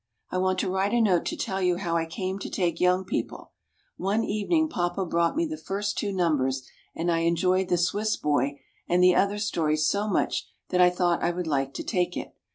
I want to write a note to tell you how I came to take Young People. One evening papa brought me the first two numbers, and I enjoyed the "Swiss Boy" and the other stories so much that I thought I would like to take it.